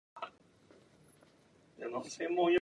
He played college basketball for Wisconsin.